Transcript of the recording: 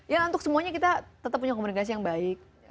ya untuk semuanya kita tetap punya komunikasi yang baik